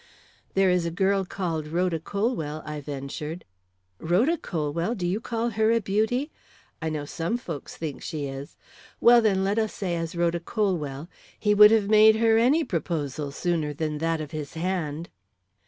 "There is a girl called Rhoda Colwell," I ventured. "Rhoda Colwell! Do you call her a beauty? I know some folks think she is well, then, let us say as Rhoda Colwell, he would have made her any proposal sooner than that of his hand."